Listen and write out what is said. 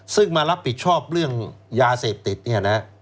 ซึ่งมารับผิดชอบเรื่องยาเสพติดเนี่ยนะ